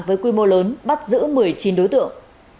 với quy mô lớn bắt giữ một mươi chín đối tượng